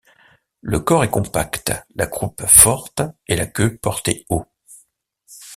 Le corps est compact, la croupe forte et la queue portée haut.